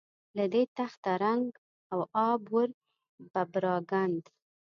له دې تخته رنګ او آب ور بپراګند.